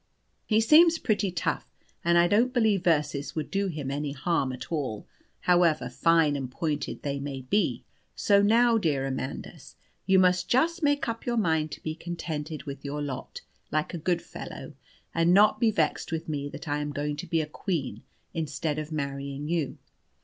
He seems pretty tough, and I don't believe verses would do him any harm at all, however fine and pointed they might be. So now, dear Amandus, you must just make up your mind to be contented with your lot, like a good fellow, and not be vexed with me that I am going to be a Queen instead of marrying you.